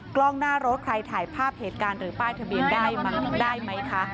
กล้องหน้ารถใครถ่ายภาพเหตุการณ์หรือป้ายทะเบียนได้ได้ไหมคะ